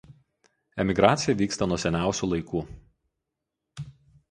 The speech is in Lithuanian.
Emigracija vyksta nuo seniausių laikų.